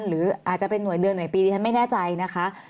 หรืออาจจะเป็นห่วยเดือนหน่วยปีดิฉันไม่แน่ใจนะคะ